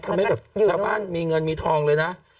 ทำให้แบบชาวบ้านมีเงินมีทองเลยนะ